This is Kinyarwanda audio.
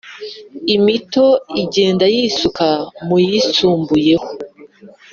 imito igenda yisuka muyisumbuyeho